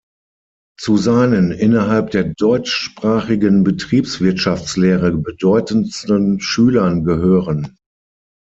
Zu seinen innerhalb der deutschsprachigen Betriebswirtschaftslehre bedeutendsten Schülern gehören